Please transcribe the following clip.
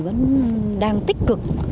vẫn đang tích cực